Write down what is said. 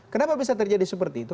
kenapa bisa terjadi seperti itu